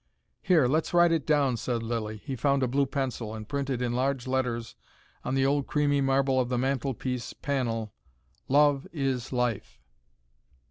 "Here, let's write it down," said Lilly. He found a blue pencil and printed in large letters on the old creamy marble of the mantel piece panel: LOVE IS LIFE.